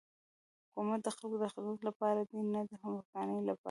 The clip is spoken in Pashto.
حکومت د خلکو د خدمت لپاره دی نه د حکمرانی لپاره.